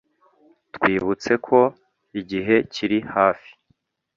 Twibutse ko igihe kiri hafi